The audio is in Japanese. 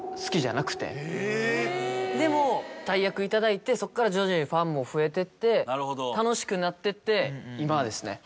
でも大役頂いてそっから徐々にファンも増えてって楽しくなってって今ですね。